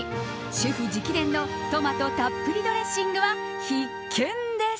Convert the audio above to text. シェフ直伝のトマトたっぷりドレッシングは必見です。